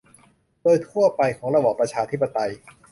โดยทั่วไประบอบประชาธิปไตย